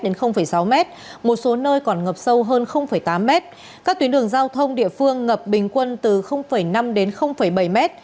đến sáu m một số nơi còn ngập sâu hơn tám m các tuyến đường giao thông địa phương ngập bình quân từ năm đến bảy m